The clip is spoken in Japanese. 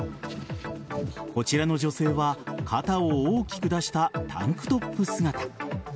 こちらの女性は肩を大きく出したタンクトップ姿。